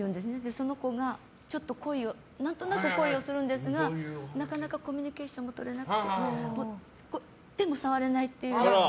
その子がちょっと何となく恋をするんですがなかなかコミュニケーションがとれなくて手も触れないっていう。